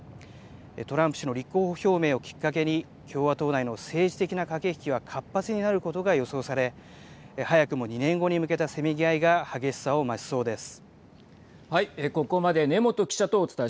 トランプ氏の立候補表明をきっかけに共和党内の政治的な駆け引きは活発になることが予想され早くも２年後に向けたせめぎ合いが激しさを増しそうです。